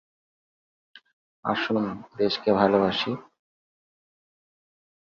ছবিটির কাহিনী চিত্রনাট্য ও সংলাপ লিখেছেন হেনরী আমিন।